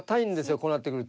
こうなってくると。